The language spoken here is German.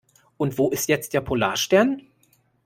Und wo ist jetzt der Polarstern?